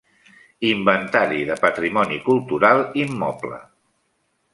Inventari de Patrimoni Cultural Immoble.